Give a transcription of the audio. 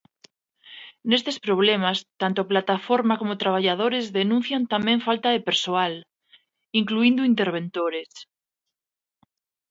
Nestes problemas, tanto plataforma como traballadores denuncian tamén "falta de persoal", incluíndo interventores.